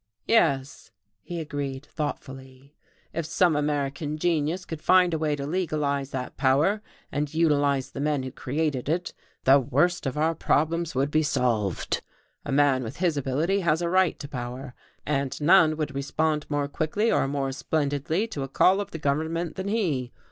"Yes," he agreed thoughtfully, "if some American genius could find a way to legalize that power and utilize the men who created it the worst of our problems would be solved. A man with his ability has a right to power, and none would respond more quickly or more splendidly to a call of the government than he.